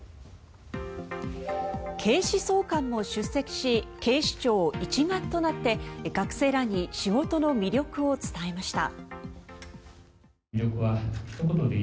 警視総監も出席し警視庁一丸となって学生らに仕事の魅力を伝えました。